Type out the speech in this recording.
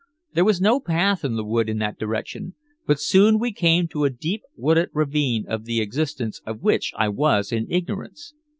There was no path in the wood in that direction, but soon we came to a deep wooded ravine of the existence of which I was in ignorance.